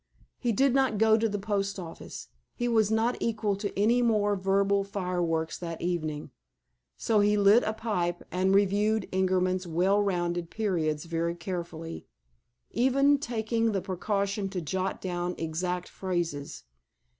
He did not go to the post office. He was not equal to any more verbal fire works that evening. So he lit a pipe, and reviewed Ingerman's well rounded periods very carefully, even taking the precaution to jot down exact phrases.